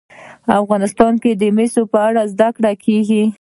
افغانستان کې د مس په اړه زده کړه کېږي.